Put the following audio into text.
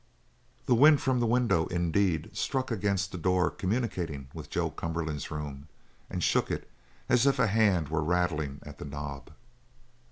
The wind from the window, indeed, struck against the door communicating with Joe Cumberland's room, and shook it as if a hand were rattling at the knob.